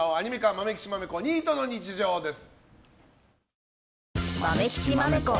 「まめきちまめこニートの日常」です。